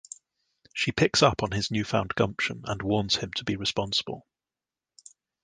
She picks up on his newfound gumption and warns him to be responsible.